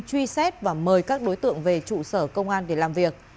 truy xét và mời các đối tượng về trụ sở công an để làm việc